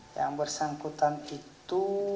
yang bersangkutan itu